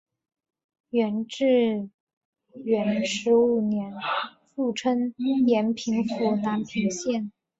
元至元十五年复称延平府南平县。